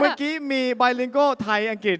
เมื่อกี้มีบายลิงโก้ไทยอังกฤษ